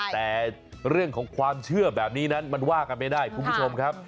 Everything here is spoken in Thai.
แต่เรื่องของความเชื่อแบบนี้นั้นมันว่ากันไม่ได้คุณผู้ชมครับ